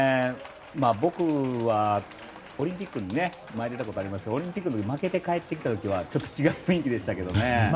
僕はオリンピックに前に出たことありますがオリンピックで負けて帰ってきた時はちょっと違う雰囲気でしたから。